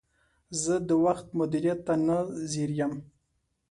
زه د وخت مدیریت ته نه ځیر یم.